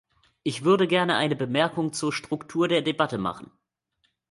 Ich würde gerne eine Bemerkung zur Struktur der Debatte machen.